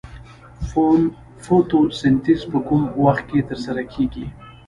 فتوسنتیز په کوم وخت کې ترسره کیږي